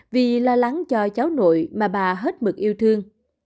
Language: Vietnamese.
vì lo lắng cho cháu nội mà bà hết mực yêu thương